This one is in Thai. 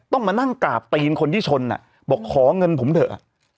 ต้องมานั่งกราบตีนคนที่ชนบอกขอเงินผมเถอะ